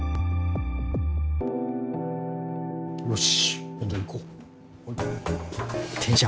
よし！